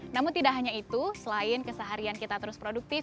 namun tidak hanya itu selain keseharian kita terus produktif